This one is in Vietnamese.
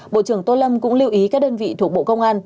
bộ trưởng tô lâm cũng lưu ý các đơn vị thuộc bộ công an